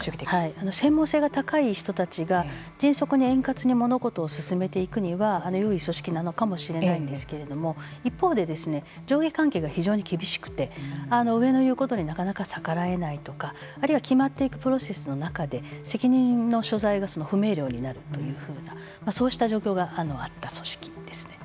専門性が高い人たちが迅速に円滑に物事を進めていくためにはよい組織なのかもしれないですけれども一方で上下関係が非常に厳しくて上の言うことにはなかなか逆らえないとかあるいは決まっていくプロセスの中で責任の所在が不明瞭になるというふうなそうした状況があった組織ですね。